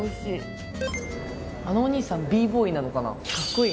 あのお兄さんＢボーイなのかな。